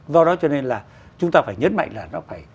do đó cho nên là chúng ta phải nhấn mạnh là nó phải